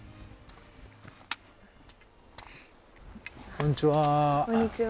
こんにちは。